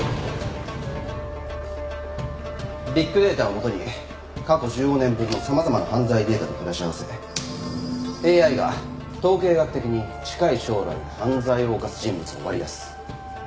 ビッグデータを基に過去１５年分の様々な犯罪データと照らし合わせＡＩが統計学的に近い将来犯罪を犯す人物を割り出す。